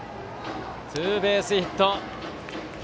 ツーベースヒット。